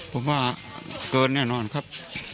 ผมว่าเกินแน่นอนครับ